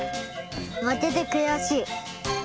まけてくやしい。